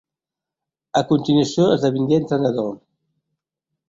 A continuació esdevingué entrenador.